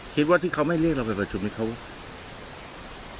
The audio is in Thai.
คิดว่าที่เขาไม่เรียกเราไปประชุมไหมเขาว่ะ